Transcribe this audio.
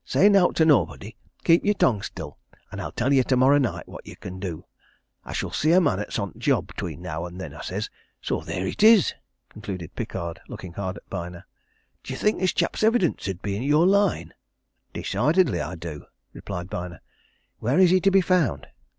'Say nowt to nobody keep your tongue still and I'll tell ye tomorrow night what ye can do I shall see a man 'at's on that job 'tween now and then,' I says. So theer it is," concluded Pickard, looking hard at Byner. "D'yer think this chap's evidence 'ud be i' your line?" "Decidedly I do!" replied Byner. "Where is he to be found?"